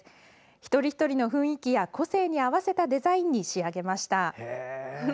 一人一人の雰囲気や個性に合わせたデザインに仕上げました。